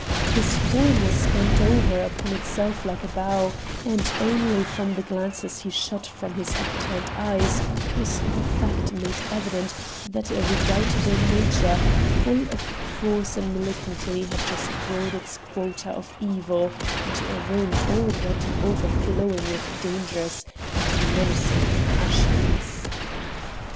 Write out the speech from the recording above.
His form was bent over upon itself like a bow; and only from the glances he shot from his upturned eyes was the fact made evident that a redoubtable nature, full of force and malignity, had just brought its quota of evil into a room already overflowing with dangerous and menacing passions.